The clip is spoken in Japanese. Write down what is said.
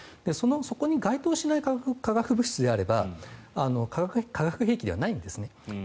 そこに該当しない化学物質であれば化学兵器ではないんですね。